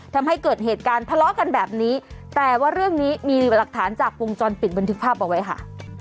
ทำให้เกิดเหตุการณ์ทะเลาะกันแบบนี้แต่ว่าเรื่องนี้มีหลักฐานจากวงจรปิดบันทึกภาพเอาไว้ค่ะ